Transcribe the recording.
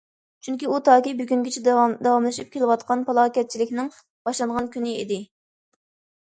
چۈنكى ئۇ تاكى بۈگۈنگىچە داۋاملىشىپ كېلىۋاتقان پالاكەتچىلىكنىڭ باشلانغان كۈنى ئىدى.